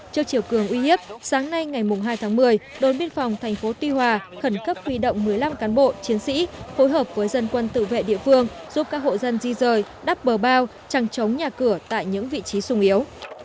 trước chiều cường uy hiếp sáng nay ngày hai tháng một mươi đồn biên phòng tp tuy hòa khẩn cấp huy động một mươi năm cán bộ chiến sĩ phối hợp với dân quân tự vệ địa phương giúp các hộ dân di rời đắp bờ bao trăng chống nhà cửa tại những vị trí sung yếu